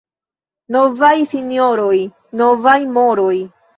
Novaj sinjoroj, — novaj moroj.